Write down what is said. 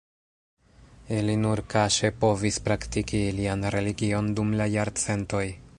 Ili nur kaŝe povis praktiki ilian religion dum la jarcentoj.